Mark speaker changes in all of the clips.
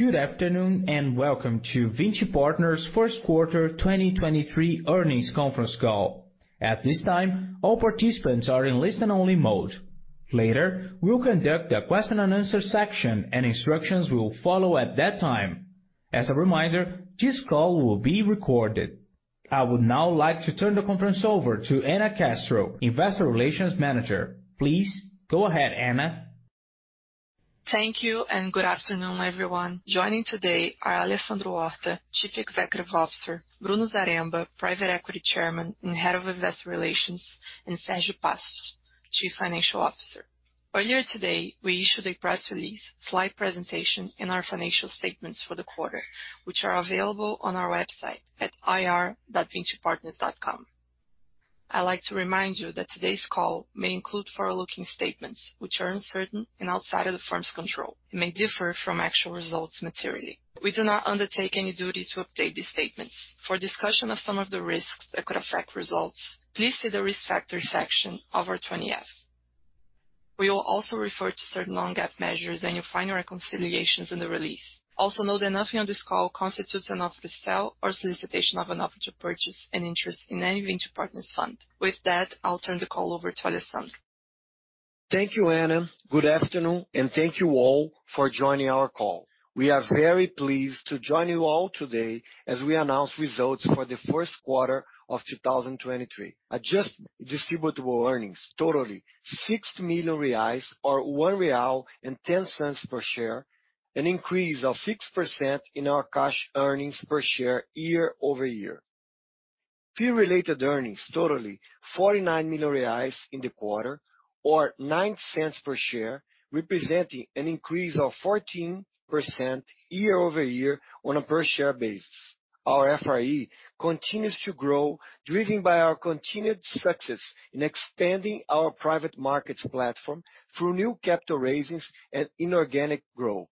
Speaker 1: Good afternoon, welcome to Vinci Partners first quarter 2023 earnings conference call. At this time, all participants are in listen only mode. Later, we'll conduct a question and answer section and instructions will follow at that time. As a reminder, this call will be recorded. I would now like to turn the conference over to Ana Castro, Investor Relations Manager. Please go ahead, Ana.
Speaker 2: Thank you, and good afternoon, everyone. Joining today are Alessandro Horta, Chief Executive Officer, Bruno Zaremba, Private Equity Chairman and Head of Investor Relations, and Sergio Passos, Chief Financial Officer. Earlier today, we issued a press release, slide presentation in our financial statements for the quarter, which are available on our website at ir.vincipartners.com. I'd like to remind you that today's call may include forward-looking statements, which are uncertain and outside of the firm's control and may differ from actual results materially. We do not undertake any duty to update these statements. For discussion of some of the risks that could affect results, please see the Risk Factor section of our Form 20-F. We will also refer to certain non-GAAP measures, and you'll find our reconciliations in the release. Also note that nothing on this call constitutes an offer to sell or solicitation of an offer to purchase an interest in any Vinci Partners fund. With that, I'll turn the call over to Alessandro.
Speaker 3: Thank you, Ana. Good afternoon, thank you all for joining our call. We are very pleased to join you all today as we announce results for the first quarter of 2023. Adjust distributable earnings totaling 60 million reais or 1.10 real per share, an increase of 6% in our cash earnings per share year-over-year. Fee related earnings totaling 49 million reais in the quarter or 0.09 per share, representing an increase of 14% year-over-year on a per share basis. Our FRE continues to grow, driven by our continued success in expanding our private markets platform through new capital raisings and inorganic growth.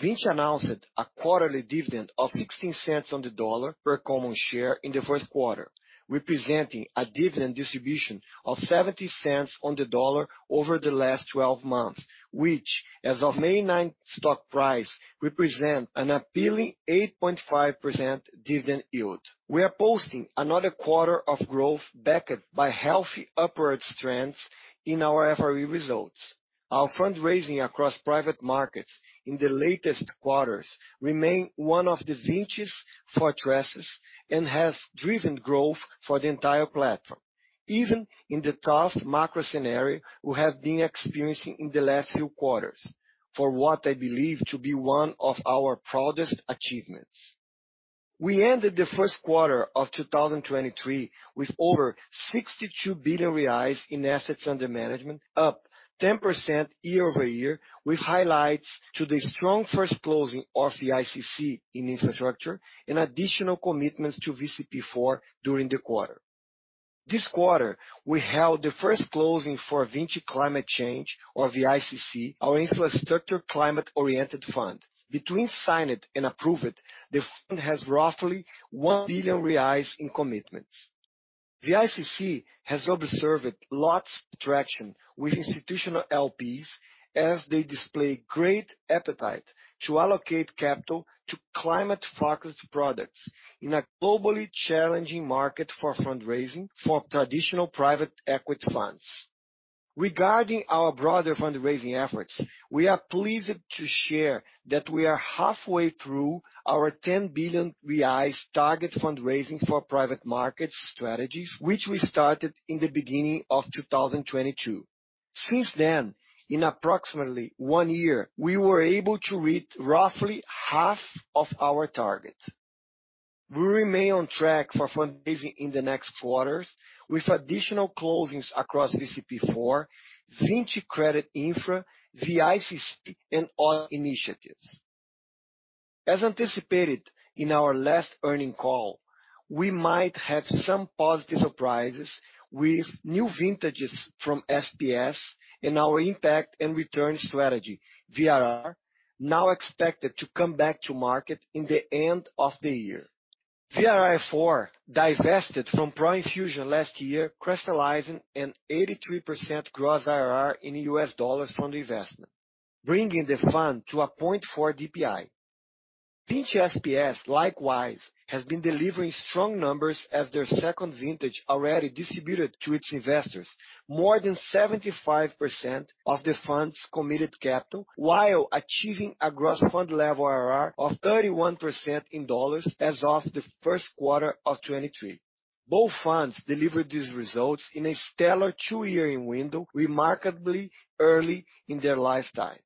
Speaker 3: Vinci announced a quarterly dividend of $0.16 per common share in the first quarter, representing a dividend distribution of $0.70 over the last 12 months, which as of May ninth stock price, represent an appealing 8.5% dividend yield. We are posting another quarter of growth backed by healthy upward trends in our FRE results. Our fundraising across private markets in the latest quarters remain one of the Vinci's fortresses and has driven growth for the entire platform. Even in the tough macro scenario we have been experiencing in the last few quarters, for what I believe to be one of our proudest achievements. We ended the first quarter of 2023 with over 62 billion reais in assets under management, up 10% year-over-year, with highlights to the strong first closing of the VICC in infrastructure and additional commitments to VCP IV during the quarter. This quarter, we held the first closing for Vinci Climate Change, or VICC, our infrastructure climate-oriented fund. Between signed and approved, the fund has roughly 1 billion reais in commitments. VICC has observed lots of traction with institutional LPs as they display great appetite to allocate capital to climate-focused products in a globally challenging market for fundraising for traditional private equity funds. Regarding our broader fundraising efforts, we are pleased to share that we are halfway through our 10 billion reais target fundraising for private markets strategies, which we started in the beginning of 2022. Since then, in approximately one year, we were able to reach roughly half of our target. We remain on track for fundraising in the next quarters with additional closings across VCP IV, Vinci Credit Infra, VICC and all initiatives. As anticipated in our last earning call, we might have some positive surprises with new vintages from Vinci SPS and our impact and return strategy, VIR, now expected to come back to market in the end of the year. VIR IV divested from Prime Fusion last year, crystallizing an 83% gross IRR in US dollars from the investment, bringing the fund to a 0.4 DPI. Vinci SPS likewise has been delivering strong numbers as their second vintage already distributed to its investors. More than 75% of the funds committed capital while achieving a gross fund level IRR of 31% in dollars as of the first quarter of 2023. Both funds delivered these results in a stellar two-year window, remarkably early in their lifetime.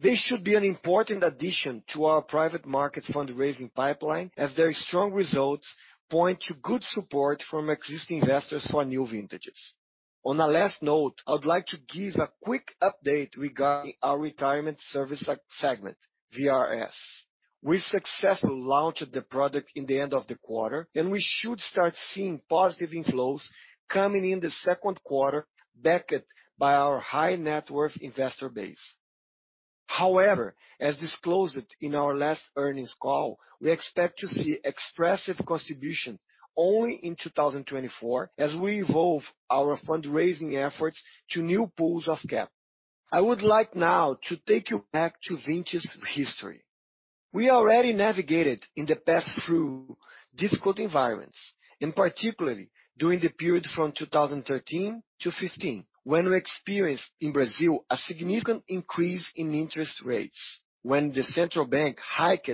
Speaker 3: This should be an important addition to our private market fundraising pipeline as their strong results point to good support from existing investors for new vintages. On a last note, I would like to give a quick update regarding our retirement service segment, VRS. We successfully launched the product in the end of the quarter, and we should start seeing positive inflows coming in the second quarter, backed by our high net worth investor base. However, as disclosed in our last earnings call, we expect to see expressive contribution only in 2024 as we evolve our fundraising efforts to new pools of capital. I would like now to take you back to Vinci's history. We already navigated in the past through difficult environments, in particular during the period from 2013 to 2015 when we experienced in Brazil a significant increase in interest rates when the Central Bank hiked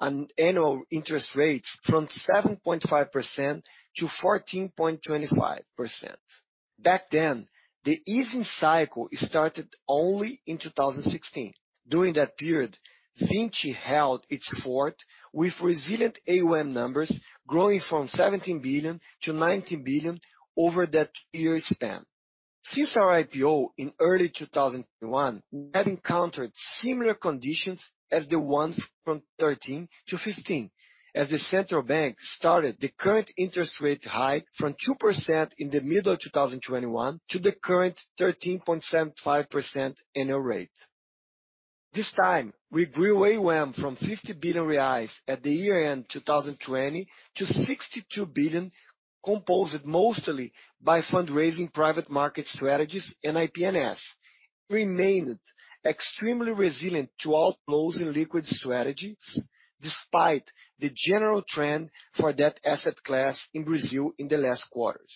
Speaker 3: an annual interest rates from 7.5% to 14.25%. Back then, the easing cycle started only in 2016. During that period, Vinci held its fort with resilient AUM numbers growing from 17 billion to 19 billion over that year span. Since our IPO in early 2001, we have encountered similar conditions as the ones from 2013 to 2015 as the Central Bank started the current interest rate hike from 2% in the middle 2021 to the current 13.75% annual rate. This time, we grew AUM from 50 billion reais at the year-end 2020 to 62 billion, composed mostly by fundraising private market strategies and IP&S. Remained extremely resilient to outflows in liquid strategies despite the general trend for that asset class in Brazil in the last quarters.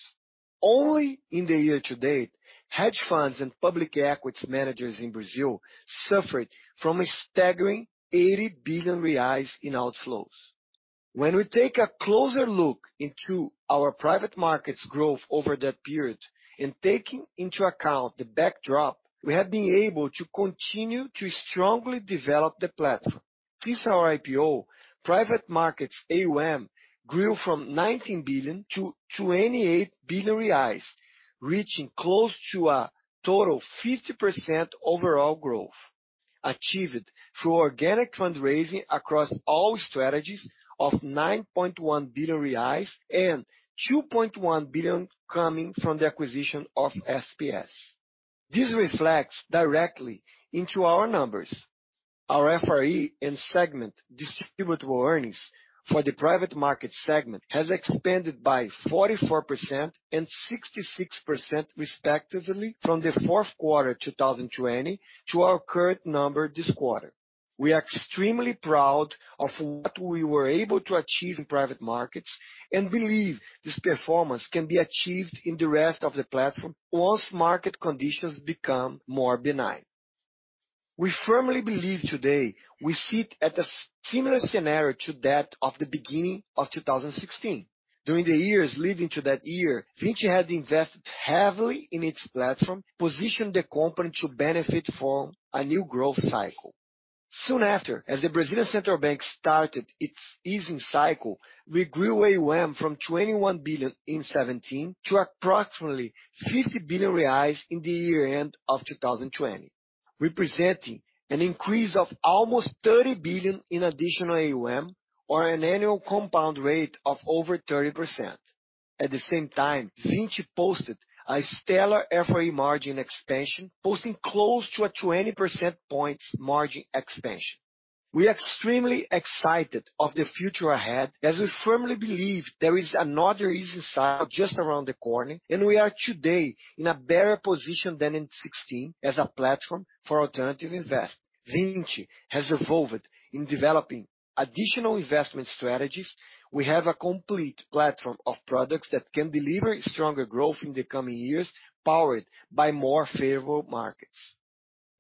Speaker 3: Only in the year to date, hedge funds and public equity managers in Brazil suffered from a staggering 80 billion reais in outflows. We take a closer look into our private markets growth over that period and taking into account the backdrop, we have been able to continue to strongly develop the platform. Since our IPO, private markets AUM grew from 19 billion to 28 billion reais, reaching close to a total 50% overall growth, achieved through organic fundraising across all strategies of 9.1 billion reais and 2.1 billion coming from the acquisition of SPS. This reflects directly into our numbers. Our FRE and segment distributable earnings for the private market segment has expanded by 44% and 66% respectively from the fourth quarter 2020 to our current number this quarter. We are extremely proud of what we were able to achieve in private markets and believe this performance can be achieved in the rest of the platform once market conditions become more benign. We firmly believe today we sit at a similar scenario to that of the beginning of 2016. During the years leading to that year, Vinci had invested heavily in its platform, positioned the company to benefit from a new growth cycle. As the Central Bank of Brazil started its easing cycle, we grew AUM from 21 billion in 2017 to approximately 50 billion reais in the year-end of 2020, representing an increase of almost 30 billion in additional AUM or an annual compound rate of over 30%. Vinci posted a stellar FRE margin expansion, posting close to a 20 percentage points margin expansion. We are extremely excited of the future ahead. We firmly believe there is another easing cycle just around the corner. We are today in a better position than in 2016 as a platform for alternative investment. Vinci has evolved in developing additional investment strategies. We have a complete platform of products that can deliver stronger growth in the coming years, powered by more favorable markets.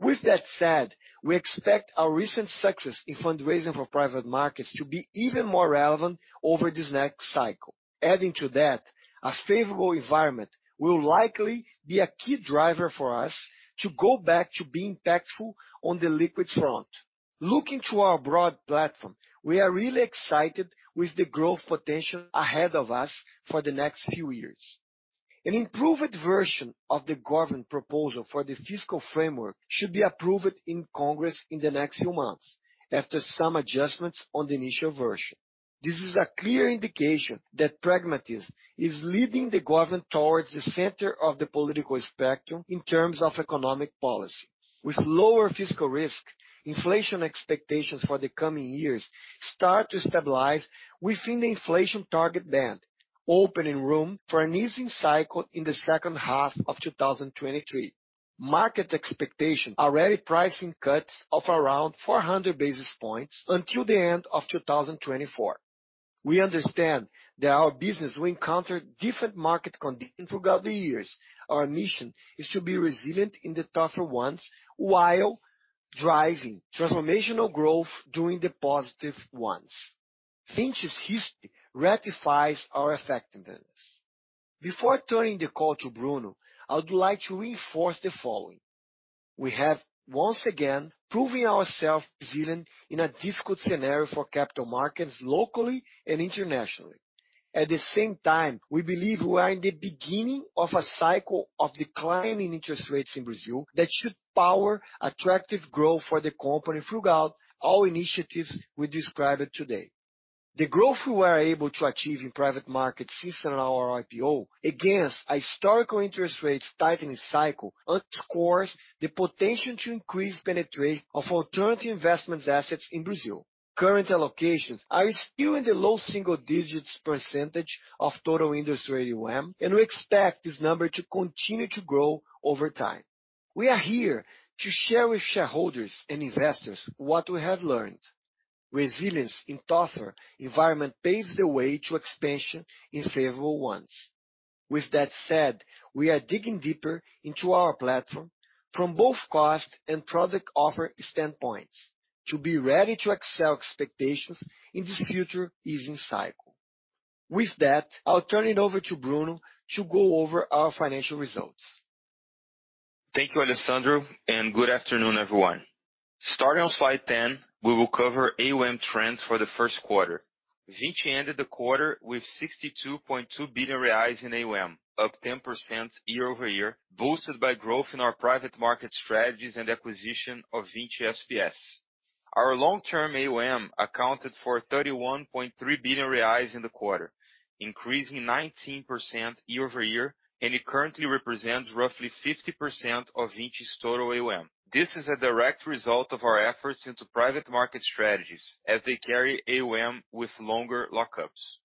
Speaker 3: With that said, we expect our recent success in fundraising for private markets to be even more relevant over this next cycle. Adding to that, a favorable environment will likely be a key driver for us to go back to being impactful on the liquid front. Looking to our broad platform, we are really excited with the growth potential ahead of us for the next few years. An improved version of the government proposal for the fiscal framework should be approved in Congress in the next few months after some adjustments on the initial version. This is a clear indication that pragmatist is leading the government towards the center of the political spectrum in terms of economic policy. With lower fiscal risk, inflation expectations for the coming years start to stabilize within the inflation target band, opening room for an easing cycle in the second half of 2023. Market expectations are already pricing cuts of around 400 basis points until the end of 2024. We understand that our business will encounter different market conditions throughout the years. Our mission is to be resilient in the tougher ones while driving transformational growth during the positive ones. Vinci's history ratifies our effectiveness. Before turning the call to Bruno, I would like to reinforce the following. We have once again proven ourselves resilient in a difficult scenario for capital markets locally and internationally. At the same time, we believe we are in the beginning of a cycle of declining interest rates in Brazil that should power attractive growth for the company throughout all initiatives we described today. The growth we were able to achieve in private markets since in our IPO against a historical interest rates tightening cycle underscores the potential to increase penetration of alternative investments assets in Brazil. Current allocations are still in the low single digits percentage of total industry AUM. We expect this number to continue to grow over time. We are here to share with shareholders and investors what we have learned. Resilience in tougher environment paves the way to expansion in favorable ones. With that said, we are digging deeper into our platform from both cost and product offer standpoints to be ready to excel expectations in this future easing cycle. With that, I'll turn it over to Bruno to go over our financial results.
Speaker 4: Thank you, Alessandro. Good afternoon, everyone. Starting on slide 10, we will cover AUM trends for the first quarter. Vinci ended the quarter with 62.2 billion reais in AUM, up 10% year-over-year, boosted by growth in our private market strategies and acquisition of Vinci SPS. Our long-term AUM accounted for 31.3 billion reais in the quarter, increasing 19% year-over-year. It currently represents roughly 50% of Vinci's total AUM. This is a direct result of our efforts into private market strategies as they carry AUM with longer lockups.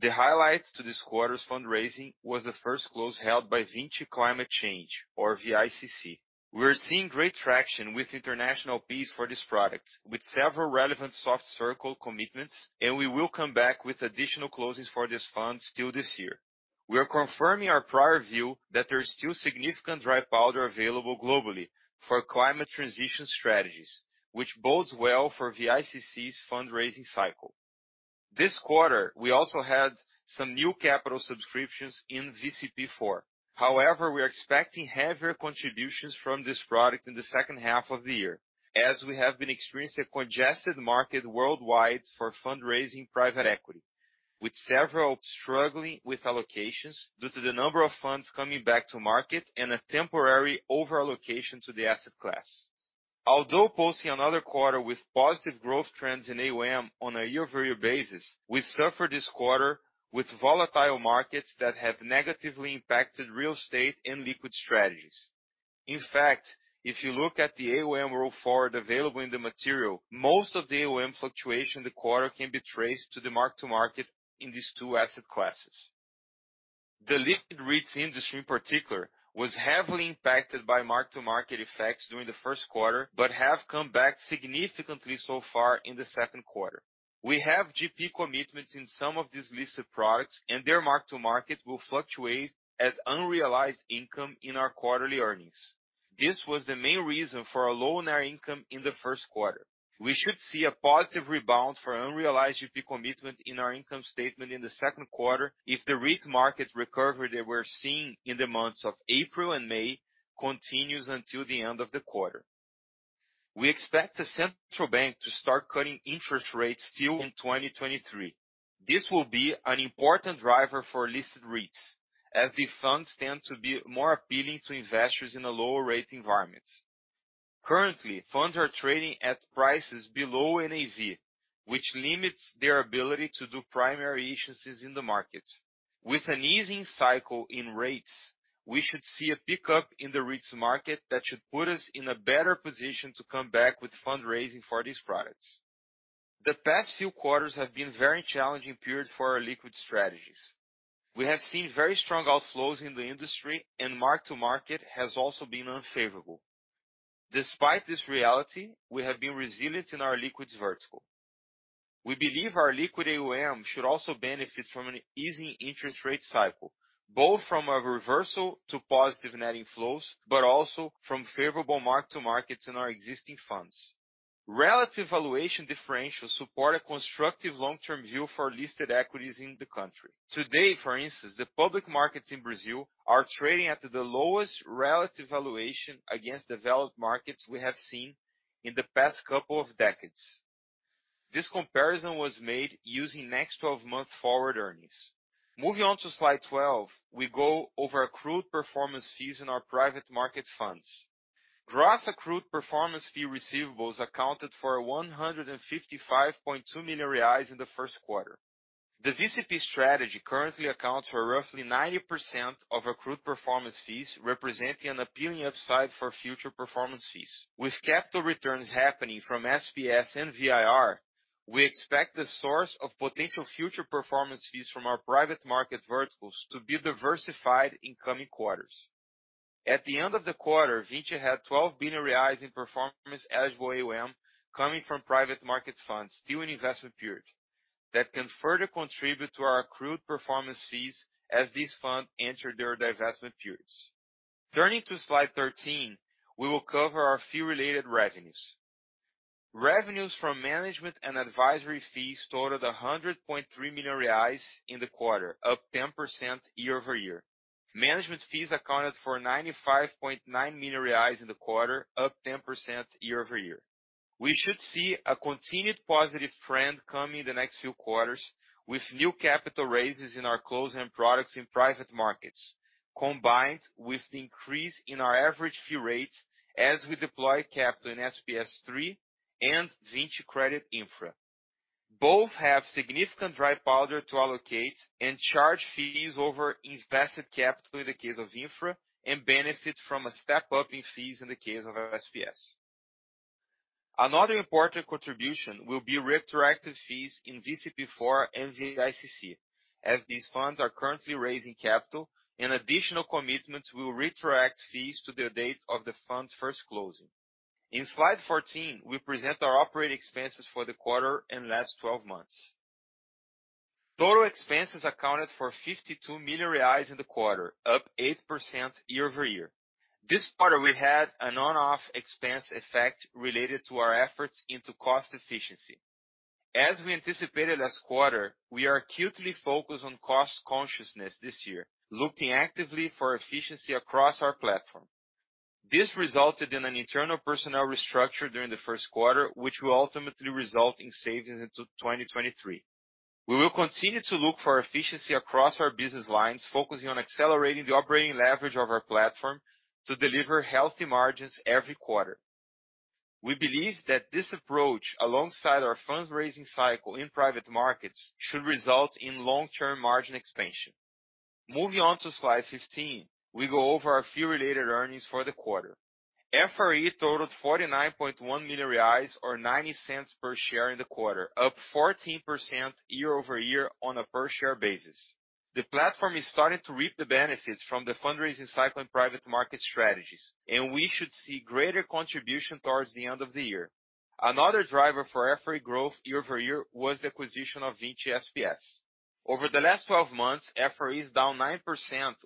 Speaker 4: The highlights to this quarter's fundraising was the first close held by Vinci Climate Change or VICC. We're seeing great traction with international LPs for this product with several relevant soft circle commitments. We will come back with additional closings for this fund still this year. We are confirming our prior view that there is still significant dry powder available globally for climate transition strategies, which bodes well for VICC's fundraising cycle. This quarter, we also had some new capital subscriptions in VCP IV. However, we are expecting heavier contributions from this product in the second half of the year, as we have been experiencing a congested market worldwide for fundraising private equity, with several struggling with allocations due to the number of funds coming back to market and a temporary overallocation to the asset class. Although posting another quarter with positive growth trends in AUM on a year-over-year basis, we suffered this quarter with volatile markets that have negatively impacted real estate and liquid strategies. In fact, if you look at the AUM roll forward available in the material, most of the AUM fluctuation in the quarter can be traced to the mark-to-market in these two asset classes. The liquid REITs industry in particular, was heavily impacted by mark-to-market effects during the first quarter, but have come back significantly so far in the second quarter. We have GP commitments in some of these listed products, and their mark-to-market will fluctuate as unrealized income in our quarterly earnings. This was the main reason for a loan in our income in the first quarter. We should see a positive rebound for unrealized GP commitment in our income statement in the second quarter if the REIT market recovery that we're seeing in the months of April and May continues until the end of the quarter. We expect the Central Bank to start cutting interest rates still in 2023. This will be an important driver for listed REITs as the funds tend to be more appealing to investors in a lower rate environment. Currently, funds are trading at prices below NAV, which limits their ability to do primary issuances in the market. With an easing cycle in rates, we should see a pickup in the REITs market that should put us in a better position to come back with fundraising for these products. The past few quarters have been very challenging period for our liquid strategies. We have seen very strong outflows in the industry and mark-to-market has also been unfavorable. Despite this reality, we have been resilient in our liquids vertical. We believe our liquid AUM should also benefit from an easing interest rate cycle, both from a reversal to positive net inflows, but also from favorable mark-to-markets in our existing funds. Relative valuation differentials support a constructive long-term view for listed equities in the country. Today, for instance, the public markets in Brazil are trading at the lowest relative valuation against developed markets we have seen in the past couple of decades. This comparison was made using next 12 month forward earnings. Moving on to slide 12, we go over accrued performance fees in our private market funds. Gross accrued performance fee receivables accounted for 155.2 million reais in the first quarter. The VCP strategy currently accounts for roughly 90% of accrued performance fees, representing an appealing upside for future performance fees. With capital returns happening from SPS and VIR, we expect the source of potential future performance fees from our private market verticals to be diversified in coming quarters. At the end of the quarter, Vinci had 12 billion reais in performance-eligible AUM coming from private market funds still in investment period that can further contribute to our accrued performance fees as this fund enter their divestment periods. Turning to slide 13, we will cover our fee related revenues. Revenues from management and advisory fees totaled 100.3 million reais in the quarter, up 10% year-over-year. Management fees accounted for 95.9 million reais in the quarter, up 10% year-over-year. We should see a continued positive trend coming the next few quarters with new capital raises in our closing products in private markets, combined with the increase in our average fee rate as we deploy capital in SPS III and Vinci Credit Infra. Both have significant dry powder to allocate and charge fees over invested capital in the case of Infra and benefit from a step up in fees in the case of SPS. Another important contribution will be retroactive fees in VCP IV and VICC. As these funds are currently raising capital and additional commitments will retract fees to the date of the fund's first closing. In slide 14, we present our operating expenses for the quarter and last 12 months. Total expenses accounted for 52 million reais in the quarter, up 8% year-over-year. This quarter we had an on/off expense effect related to our efforts into cost efficiency. As we anticipated last quarter, we are acutely focused on cost consciousness this year, looking actively for efficiency across our platform. This resulted in an internal personnel restructure during the first quarter, which will ultimately result in savings into 2023. We will continue to look for efficiency across our business lines, focusing on accelerating the operating leverage of our platform to deliver healthy margins every quarter. We believe that this approach, alongside our fundraising cycle in private markets, should result in long-term margin expansion. Moving on to slide 15. We go over a few related earnings for the quarter. FRE totaled 49.1 million reais or 0.90 per share in the quarter, up 14% year-over-year on a per share basis. The platform is starting to reap the benefits from the fundraising cycle and private market strategies, and we should see greater contribution towards the end of the year. Another driver for FRE growth year-over-year was the acquisition of Vinci SPS. Over the last 12 months, FRE is down 9%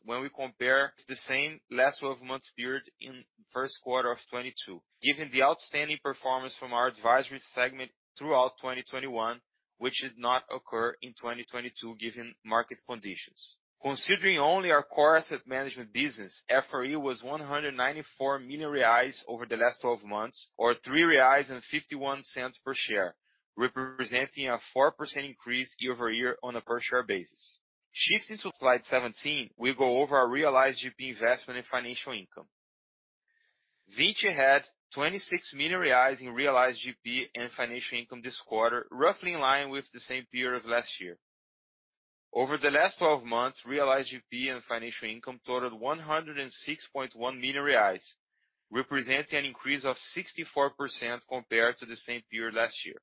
Speaker 4: when we compare the same last 12 months period in first quarter of 2022, given the outstanding performance from our advisory segment throughout 2021, which did not occur in 2022 given market conditions. Considering only our core asset management business, FRE was 194 million reais over the last 12 months, or 3.51 reais per share, representing a 4% increase year-over-year on a per SPshare basis. Shifting to slide 17, we go over our realized GP investment in financial income. Vinci had 26 million reais in realized GP and financial income this quarter, roughly in line with the same period of last year. Over the last 12 months, realized GP and financial income totaled 106.1 million reais, representing an increase of 64% compared to the same period last year.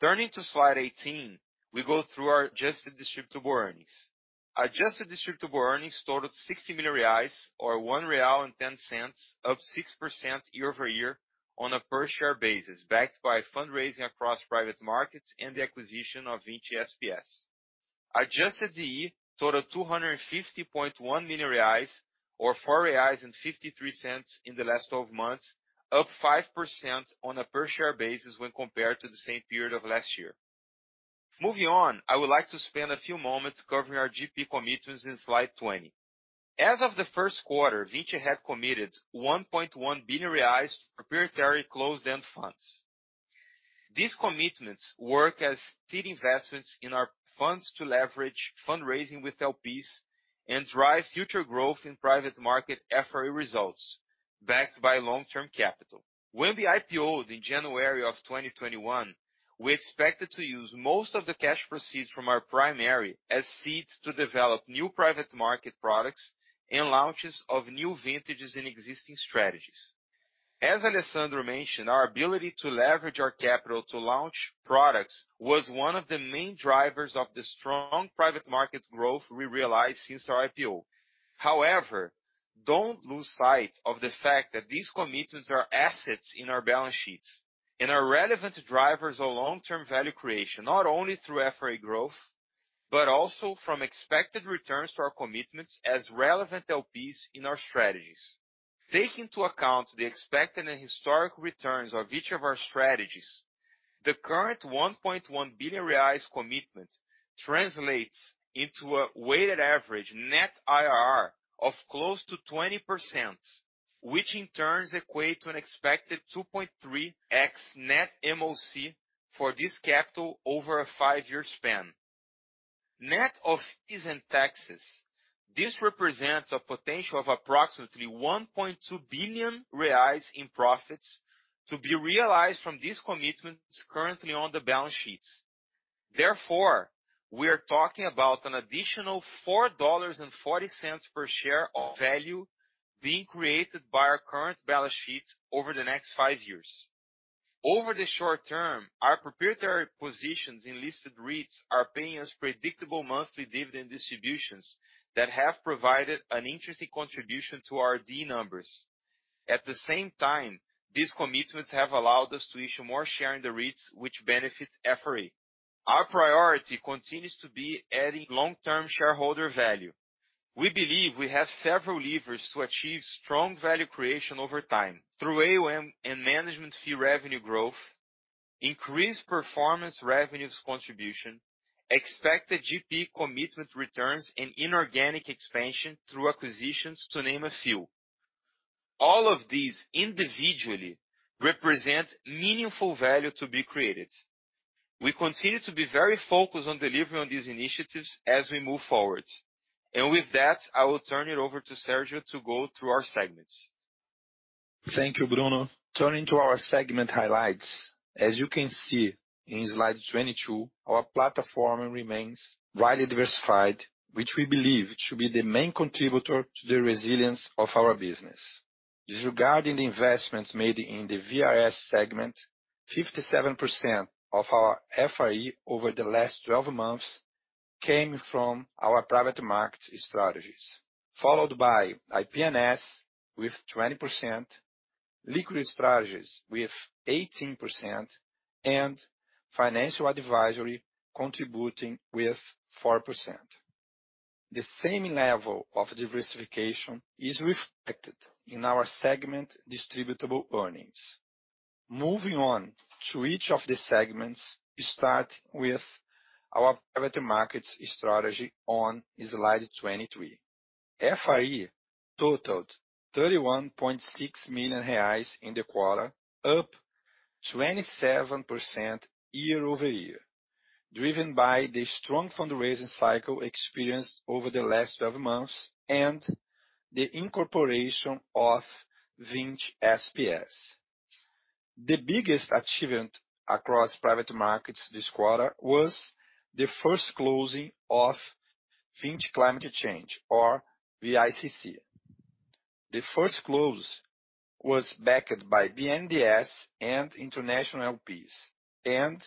Speaker 4: Turning to slide 18, we go through our adjusted distributable earnings. Adjusted distributable earnings totaled 60 million reais, or 1.10 real, up 6% year-over-year on a per share basis, backed by fundraising across private markets and the acquisition of Vinci SPS. Adjusted DE totaled 250.1 million reais or 4.53 reais in the last 12 months, up 5% on a per share basis when compared to the same period of last year. Moving on, I would like to spend a few moments covering our GP commitments in slide 20. As of the first quarter, Vinci had committed 1.1 billion reais proprietary closed-end funds. These commitments work as seed investments in our funds to leverage fundraising with LPs and drive future growth in private market FRE results backed by long-term capital. When we IPO'd in January 2021, we expected to use most of the cash proceeds from our primary as seeds to develop new private market products and launches of new vintages and existing strategies. As Alessandro mentioned, our ability to leverage our capital to launch products was one of the main drivers of the strong private market growth we realized since our IPO. Don't lose sight of the fact that these commitments are assets in our balance sheets and are relevant drivers of long-term value creation, not only through FRE growth, but also from expected returns to our commitments as relevant LPs in our strategies. Take into account the expected and historic returns of each of our strategies. The current 1.1 billion reais commitment translates into a weighted average net IRR of close to 20%, which in turn equate to an expected 2.3x net MOC for this capital over a 5-year span. Net of fees and taxes, this represents a potential of approximately 1.2 billion reais in profits to be realized from these commitments currently on the balance sheets. Therefore, we are talking about an additional $4.40 per share of value being created by our current balance sheet over the next 5 years. Over the short term, our proprietary positions in listed REITs are paying us predictable monthly dividend distributions that have provided an interesting contribution to our D numbers. At the same time, these commitments have allowed us to issue more share in the REITs which benefit FRE. Our priority continues to be adding long-term shareholder value. We believe we have several levers to achieve strong value creation over time through AUM and management fee revenue growth, increased performance revenues contribution, expected GP commitment returns, and inorganic expansion through acquisitions to name a few. All of these individually represent meaningful value to be created. We continue to be very focused on delivering on these initiatives as we move forward. With that, I will turn it over to Sergio to go through our segments.
Speaker 5: Thank you, Bruno. Turning to our segment highlights. As you can see in slide 22, our platform remains widely diversified, which we believe should be the main contributor to the resilience of our business. Disregarding the investments made in the VRS segment, 57% of our FRE over the last 12 months came from our private market strategies, followed by IP&S with 20%, liquid strategies with 18% and financial advisory contributing with 4%. The same level of diversification is reflected in our segment distributable earnings. Moving on to each of the segments, we start with our private markets strategy on slide 23. FRE totaled 31.6 million reais in the quarter, up 27% year-over-year, driven by the strong fundraising cycle experienced over the last 12 months and the incorporation of Vinci SPS. The biggest achievement across private markets this quarter was the first closing of Vinci Climate Change or VICC. The first close was backed by BNDES and international LPs.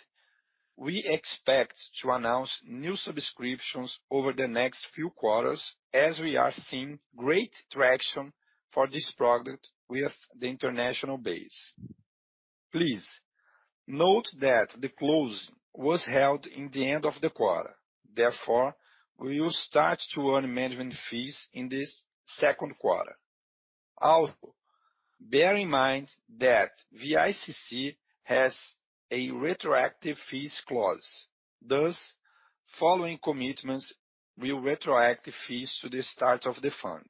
Speaker 5: We expect to announce new subscriptions over the next few quarters as we are seeing great traction for this product with the international base. Please note that the close was held in the end of the quarter therefore, we will start to earn management fees in this second quarter. Bear in mind that VICC has a retroactive fees clause, thus following commitments will retroactive fees to the start of the fund.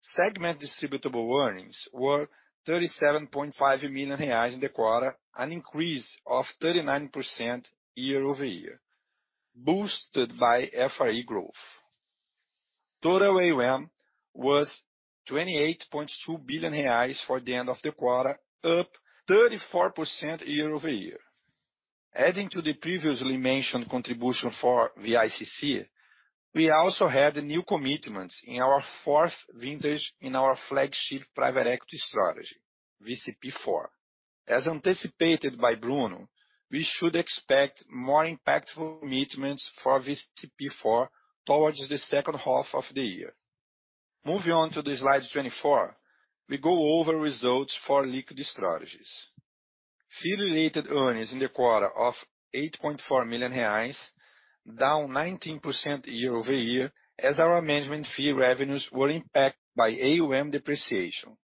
Speaker 5: Segment distributable earnings were 37.5 million reais in the quarter, an increase of 39% year-over-year, boosted by FRE growth. Total AUM was 28.2 billion reais for the end of the quarter, up 34% year-over-year. Adding to the previously mentioned contribution for VICC, we also had new commitments in our fourth vintage in our flagship private equity strategy, VCP IV. As anticipated by Bruno, we should expect more impactful commitments for VCP IV towards the second half of the year. Moving on to slide 24, we go over results for liquid strategies. Fee-related earnings in the quarter of 8.4 million reais, down 19% year-over-year as our management fee revenues were impacted by AUM depreciation,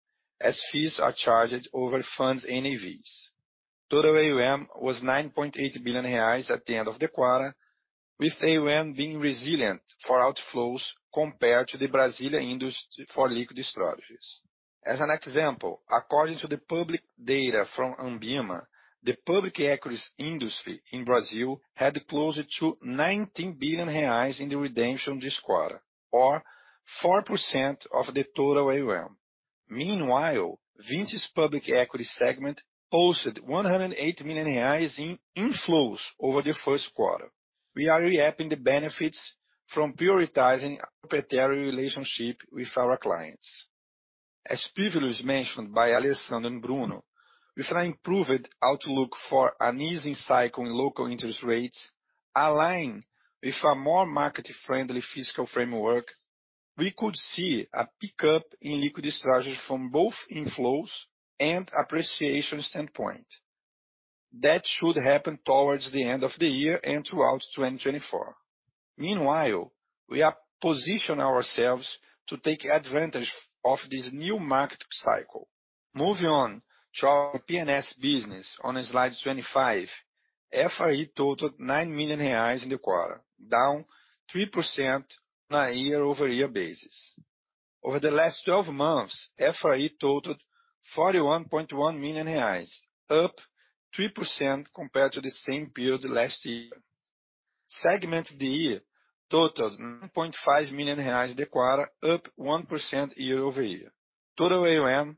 Speaker 5: as fees are charged over funds NAVs. Total AUM was 9.8 billion reais at the end of the quarter, with AUM being resilient for outflows compared to the Brazilian industry for liquid strategies. As an example, according to the public data from ANBIMA, the public equities industry in Brazil had closer to 19 billion reais in the redemption this quarter, or 4% of the total AUM. Meanwhile, Vinci's public equity segment posted 108 million reais in inflows over the first quarter. We are reaping the benefits from prioritizing proprietary relationship with our clients. As previously mentioned by Alessandro and Bruno, with an improved outlook for an easing cycle in local interest rates, aligned with a more market-friendly fiscal framework, we could see a pickup in liquid strategies from both inflows and appreciation standpoint. That should happen towards the end of the year and throughout 2024. Meanwhile, we are positioning ourselves to take advantage of this new market cycle. Moving on to our IP&S business on slide 25. FRE totaled 9 million reais in the quarter, down 3% on a year-over-year basis. Over the last 12 months, FRE totaled 41.1 million reais, up 3% compared to the same period last year. Segment DE totaled BRL 9.5 million in the quarter, up 1% year-over-year. Total AUM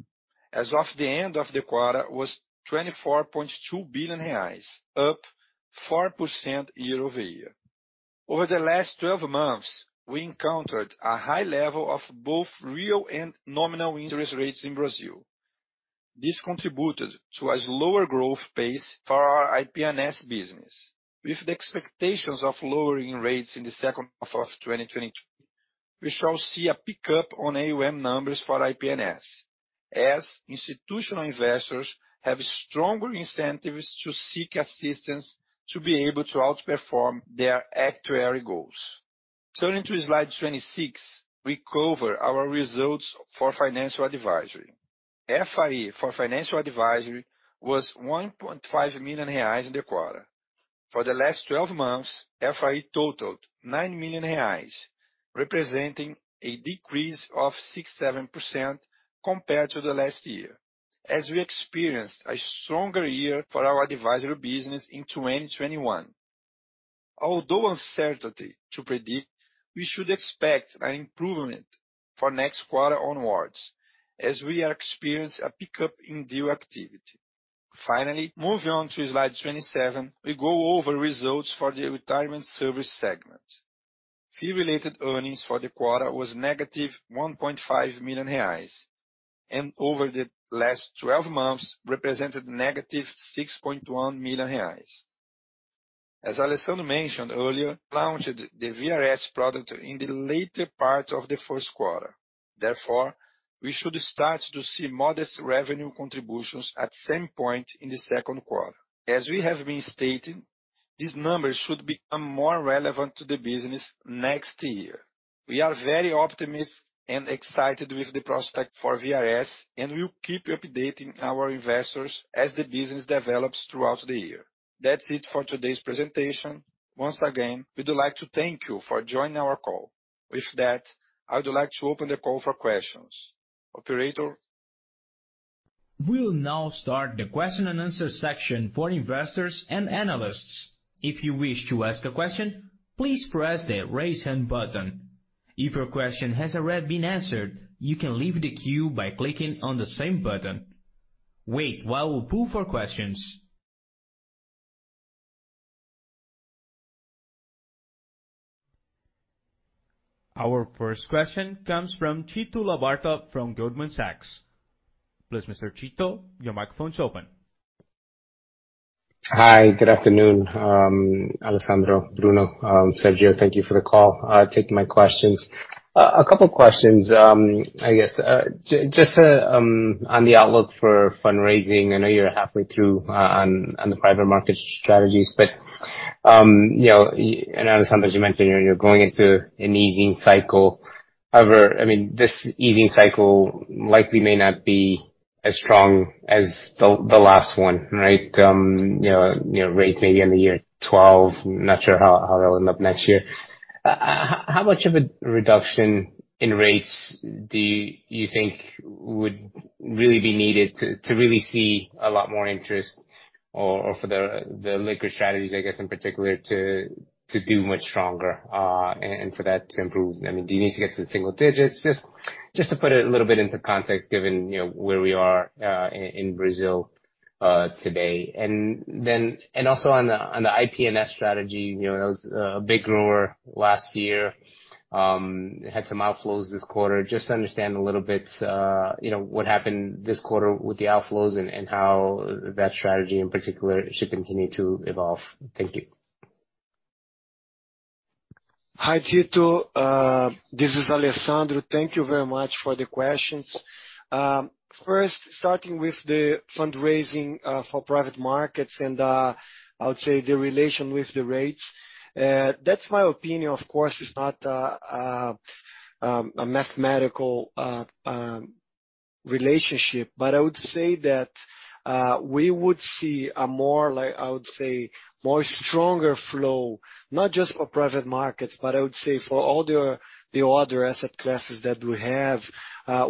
Speaker 5: as of the end of the quarter was 24.2 billion reais, up 4% year-over-year. Over the last 12 months, we encountered a high level of both real and nominal interest rates in Brazil. This contributed towards lower growth pace for our IP&S business. With the expectations of lowering rates in the second half of 2022, we shall see a pickup on AUM numbers for IP&S, as institutional investors have stronger incentives to seek assistance to be able to outperform their actuary goals. Turning to slide 26, we cover our results for financial advisory. FRE for financial advisory was 1.5 million reais in the quarter. For the last 12 months, FRE totaled 9 million reais, representing a decrease of 67% compared to the last year, as we experienced a stronger year for our advisory business in 2021.
Speaker 3: Although uncertainty to predict, we should expect an improvement for next quarter onwards as we are experiencing a pickup in deal activity. Finally, moving on to slide 27, we go over results for the retirement service segment. Fee related earnings for the quarter was negative 1.5 million reais, and over the last 12 months represented negative 6.1 million reais. As Alessandro mentioned earlier, launched the VRS product in the later part of the first quarter. Therefore, we should start to see modest revenue contributions at same point in the second quarter. As we have been stating, these numbers should become more relevant to the business next year. We are very optimistic and excited with the prospect for VRS, and we'll keep updating our investors as the business develops throughout the year. That's it for today's presentation. Once again, we'd like to thank you for joining our call. With that, I would like to open the call for questions. Operator?
Speaker 1: We'll now start the question and answer section for investors and analysts. If you wish to ask a question, please press the Raise Hand button. If your question has already been answered, you can leave the queue by clicking on the same button. Wait while we pull for questions. Our first question comes from Tito Labarta from Goldman Sachs. Please, Mr. Tito, your microphone is open.
Speaker 6: Hi, good afternoon. Alessandro, Bruno, Sergio, thank you for the call, taking my questions. A couple of questions, I guess. Just to on the outlook for fundraising, I know you're halfway through on the private market strategies, but, you know, and Alessandro, you mentioned you're going into an easing cycle. However, I mean, this easing cycle likely may not be as strong as the last one, right? You know, rates maybe end of year 12. Not sure how that'll end up next year. How much of a reduction in rates do you think would really be needed to really see a lot more interest or for the liquid strategies, I guess in particular, to do much stronger, and for that to improve? I mean, do you need to get to the single digits? Just to put it a little bit into context given, you know, where we are in Brazil today. Also on the IP&S strategy, you know, that was a big grower last year. Had some outflows this quarter. Just to understand a little bit, you know, what happened this quarter with the outflows and how that strategy in particular should continue to evolve. Thank you.
Speaker 3: Hi, Tito Labarta. This is Alessandro Horta. Thank you very much for the questions. First, starting with the fundraising for private markets and I would say the relation with the rates. That's my opinion. Of course, it's not a mathematical relationship. I would say that we would see a more like, I would say, more stronger flow, not just for private markets, but I would say for all the other asset classes that we have.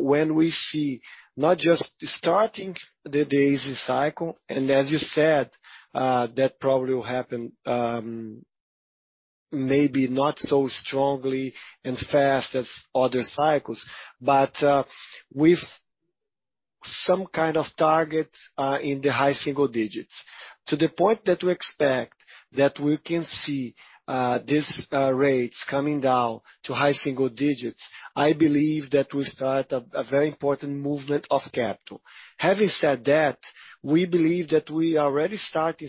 Speaker 3: When we see not just starting the easy cycle, and as you said, that probably will happen, maybe not so strongly and fast as other cycles. With some kind of target in the high single digits, to the point that we expect that we can see these rates coming down to high single digits, I believe that we start a very important movement of capital. Having said that, we believe that we are already starting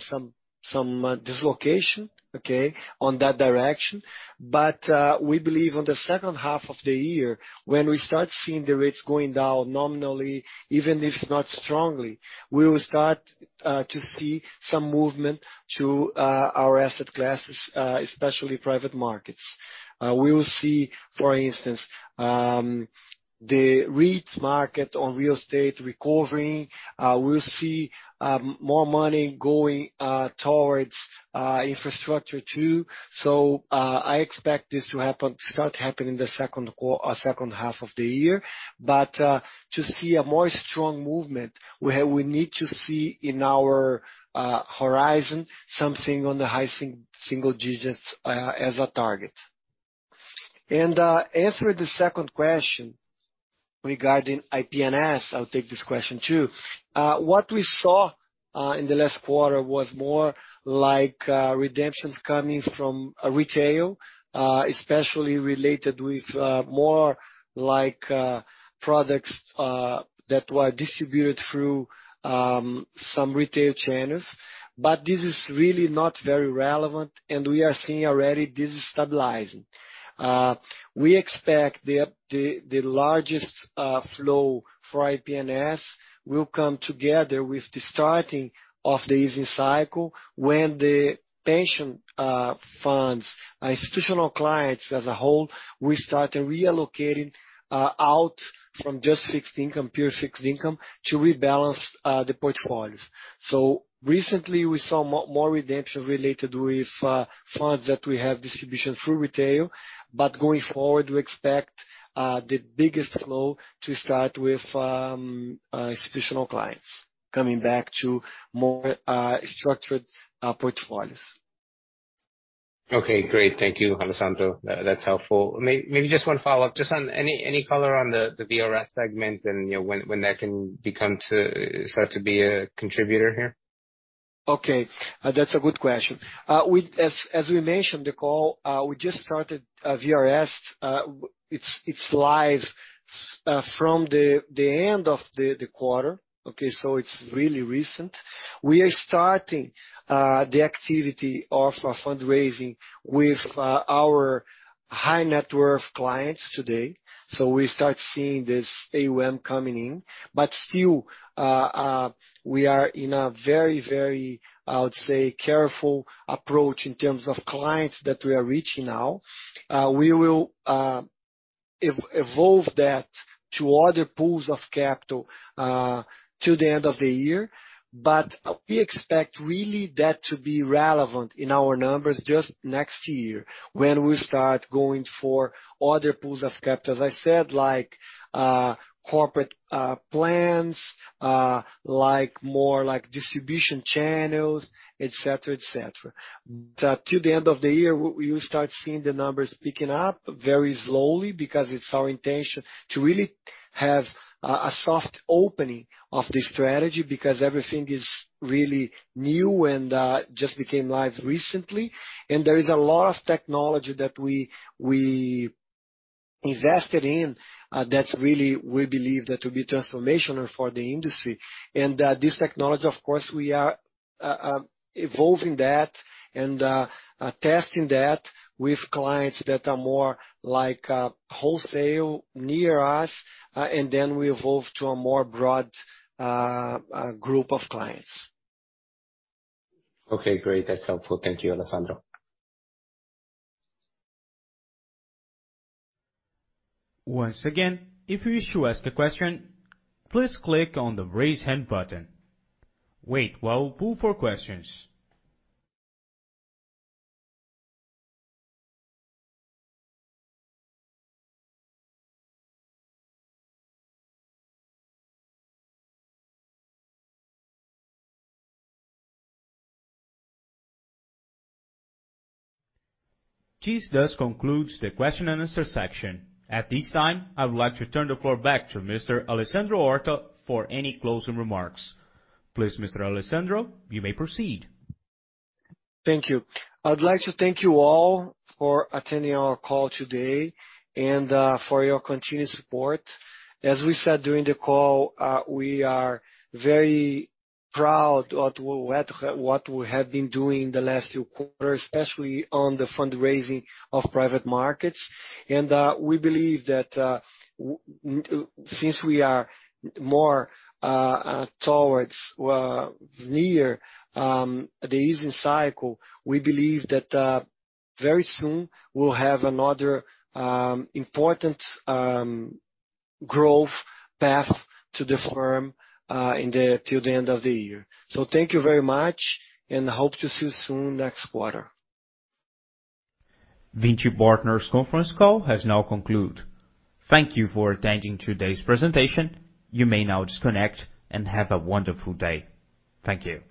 Speaker 3: some dislocation, okay, on that direction. We believe on the second half of the year, when we start seeing the rates going down nominally, even if not strongly, we will start to see some movement to our asset classes, especially private markets. We will see, for instance, the REIT market on real estate recovering. We'll see more money going towards infrastructure too. I expect this to start to happen in the second half of the year. To see a more strong movement, we need to see in our horizon something on the high single-digits as a target. Answering the second question regarding IP&S, I'll take this question too. What we saw in the last quarter was more like redemptions coming from retail, especially related with more like products that were distributed through some retail channels. This is really not very relevant, and we are seeing already this is stabilizing. We expect the largest flow for IP&S will come together with the starting of the easing cycle, when the pension funds, institutional clients as a whole, will start reallocating out from just fixed income, pure fixed income, to rebalance the portfolios. Recently we saw more redemption related with funds that we have distribution through retail, but going forward, we expect the biggest flow to start with institutional clients coming back to more structured portfolios.
Speaker 6: Okay, great. Thank you, Alessandro. That's helpful. Maybe just one follow-up. Just on any color on the VRS segment and, you know, when that can become start to be a contributor here?
Speaker 3: Okay, that's a good question. As we mentioned the call, we just started VRS. It's, it's live from the end of the quarter. It's really recent. We are starting the activity of our fundraising with our high net worth clients today. We start seeing this AUM coming in. Still, we are in a very, very, I would say, careful approach in terms of clients that we are reaching now. We will evolve that to other pools of capital till the end of the year. We expect really that to be relevant in our numbers just next year when we start going for other pools of capital, as I said, like, corporate plans, like more like distribution channels, et cetera, et cetera. Till the end of the year we'll start seeing the numbers picking up very slowly because it's our intention to really have a soft opening of the strategy because everything is really new and just became live recently. There is a lot of technology that we invested in that's really we believe that to be transformational for the industry. This technology of course we are evolving that and testing that with clients that are more like wholesale near us, and then we evolve to a more broad group of clients. Okay, great. That's helpful. Thank you, Alessandro.
Speaker 1: Once again, if you wish to ask a question, please click on the Raise Hand button. Wait while pool for questions. This does concludes the question and answer section. At this time, I would like to turn the floor back to Mr. Alessandro Horta for any closing remarks. Please Mr. Alessandro, you may proceed.
Speaker 3: Thank you. I'd like to thank you all for attending our call today and for your continued support. As we said during the call, we are very proud at what we have been doing the last few quarters, especially on the fundraising of private markets. We believe that since we are more towards near the easing cycle, we believe that very soon we'll have another important growth path to the firm till the end of the year. Thank you very much, and hope to see you soon next quarter.
Speaker 1: Vinci Partners conference call has now concluded. Thank you for attending today's presentation. You may now disconnect and have a wonderful day. Thank you.